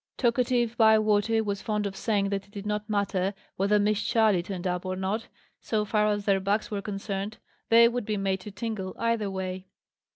Talkative Bywater was fond of saying that it did not matter whether Miss Charley turned up or not, so far as their backs were concerned: they would be made to tingle, either way.